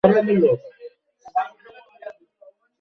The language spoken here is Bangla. আপনার কি ব্যাক-আপ পরিকল্পনা আছে?